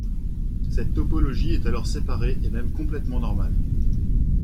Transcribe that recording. Cette topologie est alors séparée et même complètement normale.